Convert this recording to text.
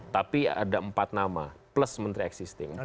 tapi ada empat nama plus menteri existing